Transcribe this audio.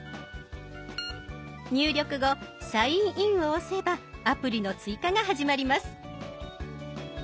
入力後サインインを押せばアプリの追加が始まります。